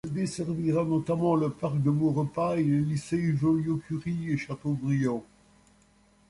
Elle desservira notamment le parc de Maurepas et les lycées Joliot-Curie et Chateaubriand.